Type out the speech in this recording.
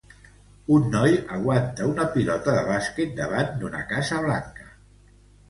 un noi aguanta una pilota de bàsquet davant d'una casa blanca